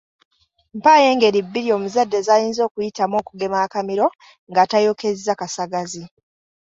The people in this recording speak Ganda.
Mpaayo engeri bbiri omuzadde z'ayinza okuyitamu okugema akamiro nga tayokezza kasagazi.